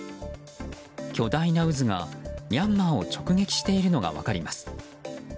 巨大な渦がミャンマーを直撃しているのが分かります。